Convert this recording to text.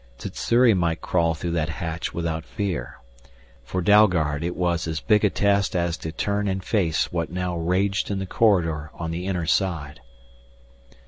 Sssuri might crawl through that hatch without fear. For Dalgard it was as big a test as to turn and face what now raged in the corridor on the inner side.